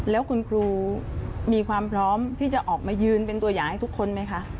แล้วคุณครูมีความพร้อมที่จะออกมายืนเป็นตัวอย่างให้ทุกคนไหมคะ